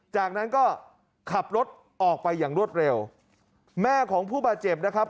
จากนั้นก็ขับรถออกไปอย่างรวดเร็วแม่ของผู้บาดเจ็บนะครับ